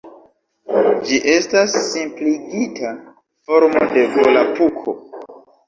Ĝi estas simpligita formo de Volapuko.